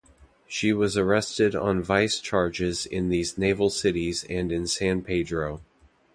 She was arrested on vice charges in these naval cities and in San Pedro.